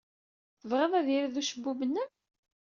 Tebɣid ad yirid ucebbub-nnem?